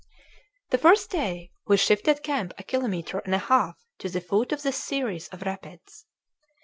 The first day we shifted camp a kilometre and a half to the foot of this series of rapids.